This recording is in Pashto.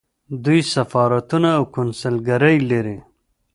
دوی سفارتونه او کونسلګرۍ لري.